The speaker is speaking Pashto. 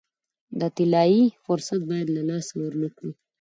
دا طلایي فرصت باید له لاسه ورنه کړي.